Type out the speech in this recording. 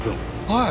はい？